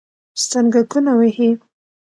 سترګکونه وهي